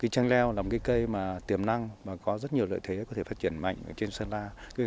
trang leo là một cây tiềm năng có rất nhiều lợi thế có thể phát triển mạnh trên sơn la